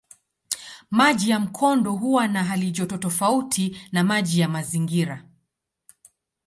Maji ya mkondo huwa na halijoto tofauti na maji ya mazingira.